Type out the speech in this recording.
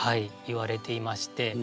言われていまして。